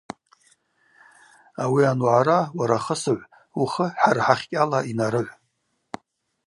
Ауи ануагӏара, уара хысыгӏв, ухы хӏара хӏахькӏьала йнарыгӏв.